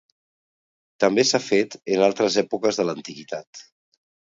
També s'ha fet en altres èpoques de l'antiguitat.